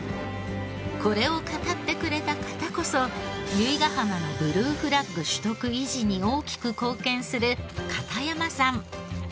これを語ってくれた方こそ由比ガ浜のブルーフラッグ取得・維持に大きく貢献する片山さん。